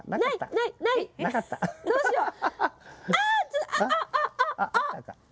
どうしよう？